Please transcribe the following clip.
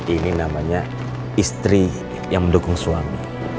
ini namanya istri yang mendukung suami